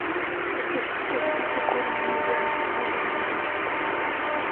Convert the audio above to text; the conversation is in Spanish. Las precipitaciones ocurren en invierno, siendo el verano muy seco.